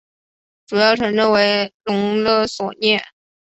主要城镇为隆勒索涅。